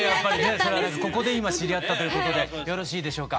ここで今知り合ったということでよろしいでしょうか。